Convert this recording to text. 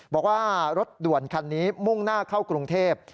บอกว่ารถด่วนคันนี้มุ่งหน้าเข้ากรุงเทพ